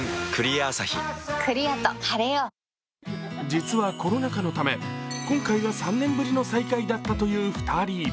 実はコロナ禍のため、今回が３年ぶりの再会だったという２人。